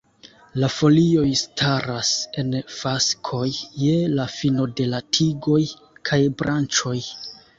La folioj staras en faskoj je la fino de la tigoj kaj branĉoj.